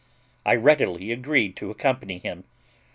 I readily agreed to accompany him.